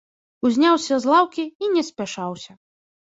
Узняўся з лаўкі і не спяшаўся.